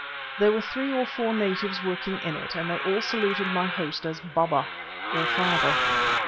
There were three or four natives working in it, and they all saluted my host as "Baba," or father.